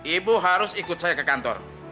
ibu harus ikut saya ke kantor